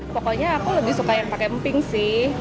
pokoknya aku lebih suka yang pakai emping sih